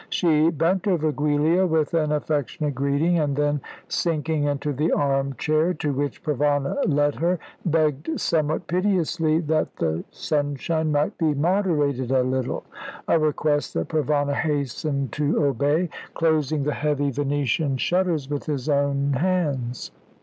She bent over Giulia with an affectionate greeting, and then, sinking into the arm chair to which Provana led her, begged somewhat piteously that the sunshine might be moderated a little, a request that Provana hastened to obey, closing the heavy Venetian shutters with his own hands.